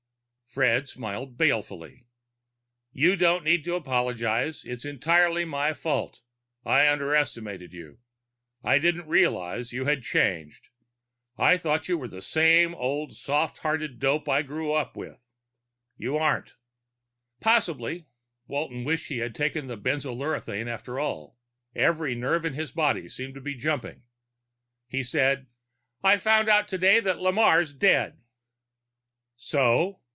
Fred smiled balefully. "You don't need to apologize. It was entirely my fault. I underestimated you; I didn't realize you had changed. I thought you were the same old soft hearted dope I grew up with. You aren't." "Possibly." Walton wished he had taken that benzolurethrin after all. Every nerve in his body seemed to be jumping. He said, "I found out today that Lamarre's dead." "So?"